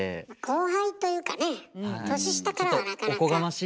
後輩というかね年下からはなかなか。